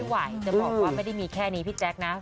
ไหวจะบอกว่าไม่ได้มีแค่นี้พี่แจ๊คนะ